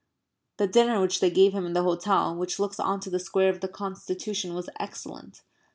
The dinner which they gave him in the hotel which looks on to the Square of the Constitution was excellent.